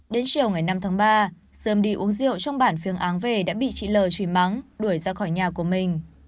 đến chiều ngày năm tháng ba sươm đi uống rượu trong bản phiêng áng về đã bị chị lờ trùy mắng đuổi ra khỏi nhà của mình